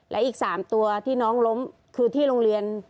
และอีก๓ตัวที่น้องล้มคือที่โรงเรียน